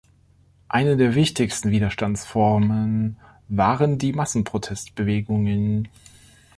Eine der wichtigsten Widerstandsformen waren die Massenprotest-Bewegungen.